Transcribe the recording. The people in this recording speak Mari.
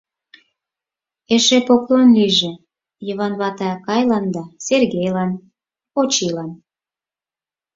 Эше поклон лийже Йыван вате акыйлан да Сергейлан, Очилан.